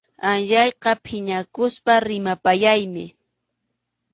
Anyayqa phiñakuspa rimapayaymi.